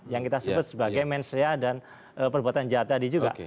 yang kita sebut sebagai menseria dan perbuatan jahat tadi juga